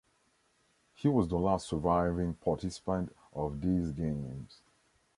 He was the last surviving participant of these Games.